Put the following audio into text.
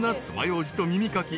ようじと耳かき］